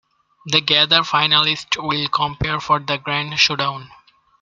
The gathered finalists will compete for the grand showdown.